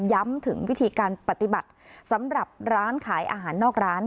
ย้ำถึงวิธีการปฏิบัติสำหรับร้านขายอาหารนอกร้าน